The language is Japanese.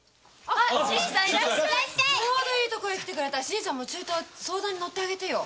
ちょうどいいところに来てくれた新さんもちょいと相談にのってあげてよ。